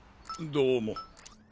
どうも。